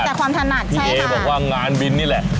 แล้วแต่ความถนัดใช่ค่ะพี่เอ๋บอกว่างานบินนี่แหละ